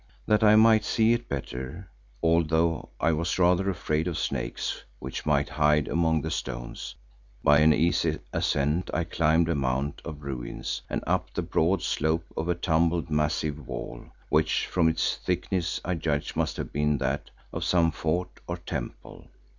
That I might see it better, although I was rather afraid of snakes which might hide among the stones, by an easy ascent I climbed a mount of ruins and up the broad slope of a tumbled massive wall, which from its thickness I judged must have been that of some fort or temple.